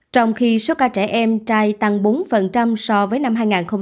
trong khi số ca trẻ em trai tăng bốn so với năm hai nghìn một mươi tám